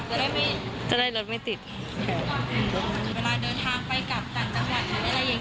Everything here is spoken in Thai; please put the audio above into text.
ก็คือตั้งใจไว้ว่าเดี๋ยวจะเดินทางออกไปตอนช่วงที่เขาเดินทางกลับจะได้รถไม่ติด